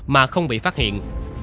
mà không bị phát hiện